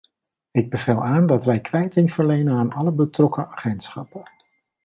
Ik beveel aan dat wij kwijting verlenen aan alle betrokken agentschappen.